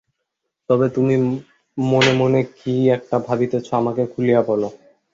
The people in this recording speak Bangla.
তবে তুমি মনে মনে কী একটা ভাবিতেছ, আমাকে খুলিয়া বলো।